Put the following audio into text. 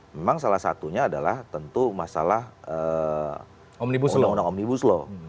memang salah satunya adalah tentu masalah undang undang omnibus law